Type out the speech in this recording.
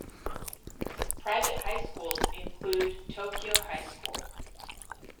Private high schools include Tokyo High School.